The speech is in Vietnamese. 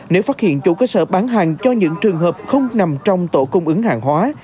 nếu phát hiện chủ cơ sở bán hàng cho những trường hợp không nằm trong tổ cung ứng hàng hóa